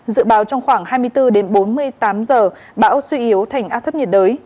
dự báo trong khoảng hai mươi bốn đến bốn mươi tám giờ bão suy yếu thành áp thấp nhiệt đới